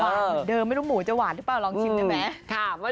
หวานเหมือนเดิมไม่รู้หมูจะหวานหรือเปล่า